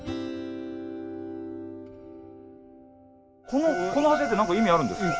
この柱って何か意味あるんですか？